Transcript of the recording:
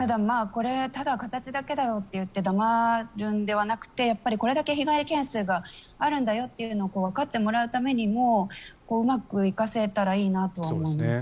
ただ、形だけだろって言って黙るんではなくてやっぱりこれだけ被害件数があるんだよということをわかってもらうためにもうまく生かせたらいいなとは思います。